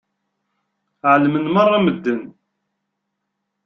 Ɛelmen meṛṛa medden.